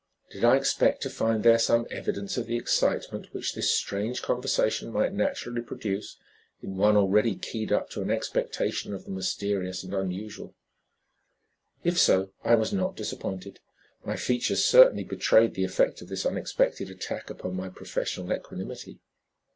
Did I expect to find there some evidence of the excitement which this strange conversation might naturally produce in one already keyed up to an expectation of the mysterious and unusual? If so, I was not disappointed. My features certainly betrayed the effect of this unexpected attack upon my professional equanimity.